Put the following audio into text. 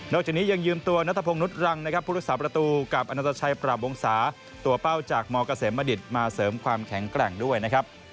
จากนี้ยังยืมตัวนัทพงศ์นุษย์รังนะครับผู้รักษาประตูกับอนัตชัยปราบวงศาตัวเป้าจากมเกษมบดิษฐ์มาเสริมความแข็งแกร่งด้วยนะครับ